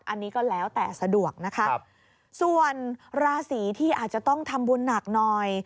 อันนี้ก็แล้วแต่สะดวกนะคะส่วนราศีที่อาจจะต้องทำบุญหนักหน่อย